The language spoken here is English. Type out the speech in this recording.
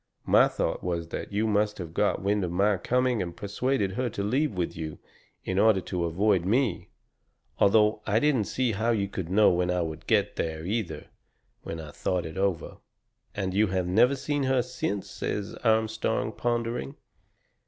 My thought was that you must have got wind of my coming and persuaded her to leave with you in order to avoid me although I didn't see how you could know when I would get there, either, when I thought it over." "And you have never seen her since," says Armstrong, pondering.